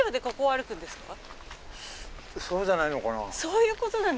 そうじゃないのかな？